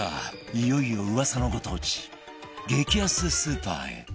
いよいよ噂のご当地激安スーパーへ